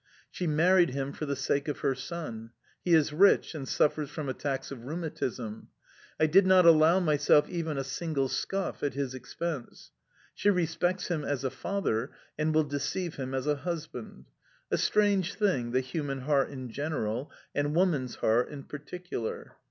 She married him for the sake of her son. He is rich, and suffers from attacks of rheumatism. I did not allow myself even a single scoff at his expense. She respects him as a father, and will deceive him as a husband... A strange thing, the human heart in general, and woman's heart in particular.